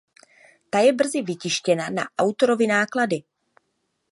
Ta je brzy vytištěna na autorovy náklady.